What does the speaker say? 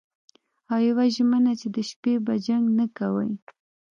او یوه ژمنه چې د شپې به جنګ نه کوئ